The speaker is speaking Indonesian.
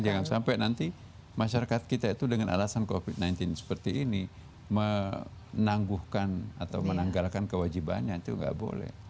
jangan sampai nanti masyarakat kita itu dengan alasan covid sembilan belas seperti ini menangguhkan atau menanggalkan kewajibannya itu nggak boleh